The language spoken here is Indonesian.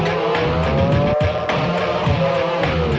benar benarnya dia lagi dia lagi